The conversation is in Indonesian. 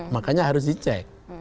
makanya harus dicek